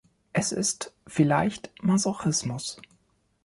Es ist vielleicht Masochismus.